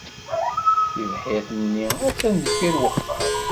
Tibḥirt-nni attan deffir wexxam.